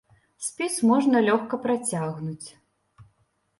Спіс можна лёгка працягнуць.